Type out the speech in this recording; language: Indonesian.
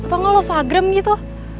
atau gak lofagram gitu